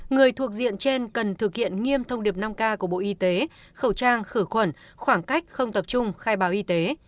người thuộc diện trên cần thực hiện nghiêm thông điệp năm k của bộ y tế khẩu trang khử khuẩn khoảng cách không tập trung khai báo y tế